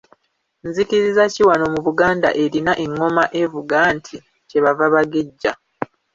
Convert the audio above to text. Nzikiriza ki wano mu Buganda erina engoma evuga nti “Kye bava bagejja”?